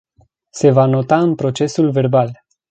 Se va nota în procesul verbal.